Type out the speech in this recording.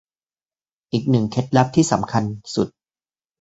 อีกหนึ่งเคล็ดลับที่สำคัญสุด